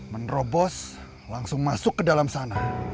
menerobos langsung masuk ke dalam sana